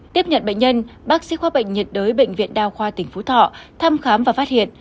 tiếp nhận bệnh nhân bác sĩ khoa bệnh nhiệt đới bệnh viện đa khoa tỉnh phú thọ thăm khám và phát hiện